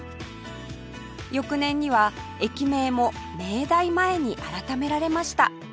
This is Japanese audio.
翌年には駅名も明大前に改められました